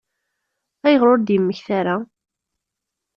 Ayɣer ur d-yemmekta ara?